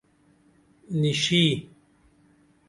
نِیشی!